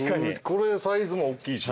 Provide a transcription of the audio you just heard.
これサイズもおっきいし。